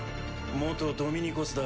元ドミニコスだ。